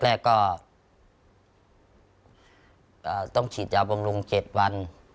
แรกก็ต้องฉีดยาบำรุง๗วัน